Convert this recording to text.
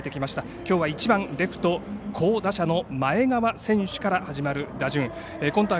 きょうは１番レフト好打者の前川選手から始まる打順。